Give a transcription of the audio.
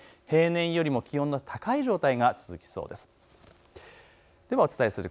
平年よりも気温の高い状態が続きそうです。